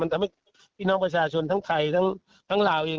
ทำให้พี่น้องประชาชนทั้งไทยทั้งลาวเอง